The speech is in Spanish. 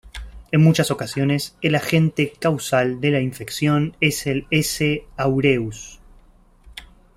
En muchas ocasiones el agente causal de la infección es el S. aureus.